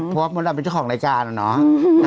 เพราะว่ามดดำเป็นเจ้าของรายการอะเนาะ